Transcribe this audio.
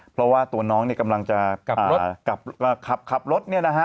เพราะว่าตัวน้องกำลังจะขับรถ